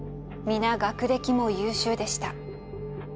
皆学歴も優秀でした。